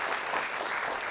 terima kasih mas budiman